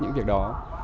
những việc đó